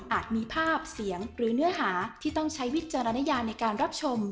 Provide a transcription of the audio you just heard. มีภาพเสียงหรือเนื้อหาที่ต้องใช้วิจารณญาในการรับชม